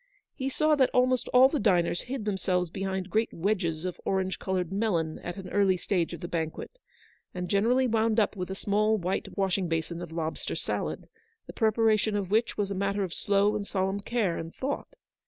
He saw that almost all the diners hid themselves behind great wedges of orange coloured melon at an early stage of the banquet, and generally wound up with a small white washing basin of lobster salad, the preparation of which was a matter of slow and solemn care and thought.